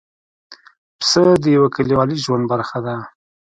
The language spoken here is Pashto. پسه د یوه کلیوالي ژوند برخه ده.